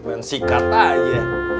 pengen sikat aja